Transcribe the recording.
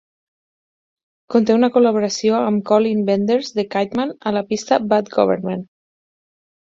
Conté una col·laboració amb Colin Benders de Kyteman a la pista "Bad Government".